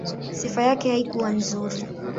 Sifa yake haikuwa nzuri.